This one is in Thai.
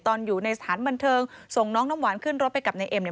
ตอนอยู่ในสถานบันเทิงส่งน้องน้ำหวานขึ้นรถไปกับนายเอ็มเนี่ย